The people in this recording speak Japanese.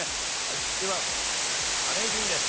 味付けはカレー風味です。